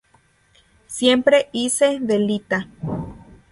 Siempre hice de Lita.